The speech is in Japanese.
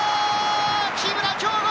木村匡吾！